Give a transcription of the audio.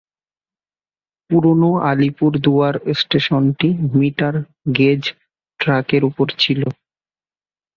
পুরনো আলিপুরদুয়ার স্টেশনটি metre gauge ট্র্যাকের উপর ছিল।